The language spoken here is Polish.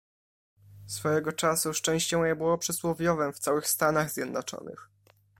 "Swojego czasu szczęście moje było przysłowiowem w całych Stanach Zjednoczonych."